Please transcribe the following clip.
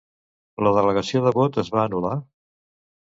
La delegació de vot es va anul·lar?